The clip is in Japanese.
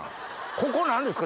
ここ何ですか？